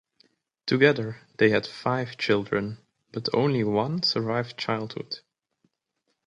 Together, they had five children, but only one survived childhood.